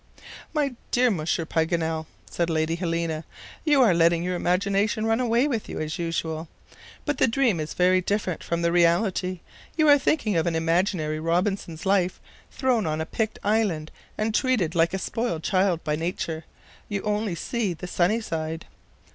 "My dear Monsieur Paganel," said Lady Helena, "you are letting your imagination run away with you, as usual. But the dream is very different from the reality. You are thinking of an imaginary Robinson's life, thrown on a picked island and treated like a spoiled child by nature. You only see the sunny side."